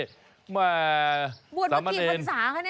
บวชมากี่ภาษาครับนี่